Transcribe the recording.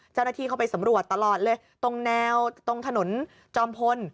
เจ้าหน้าที่เข้าไปสำรวจตลอดเลยตรงแนวตรงถนนจอมพล